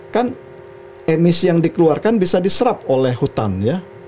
kan emisi yang dikeluarkan bisa diserap oleh hutan ya